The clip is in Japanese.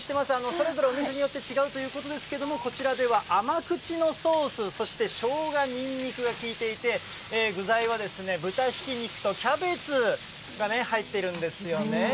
それぞれお店によって違うということですけれども、こちらでは甘口のソース、そしてショウガ、ニンニクが効いていて、具材は豚ひき肉とキャベツが入っているんですよね。